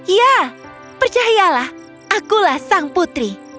ya percayalah akulah sang putri